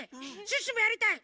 シュッシュもやりたい！